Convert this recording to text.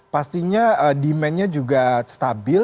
pastinya demandnya juga stabil